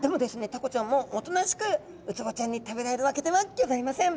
タコちゃんもおとなしくウツボちゃんに食べられるわけではギョざいません。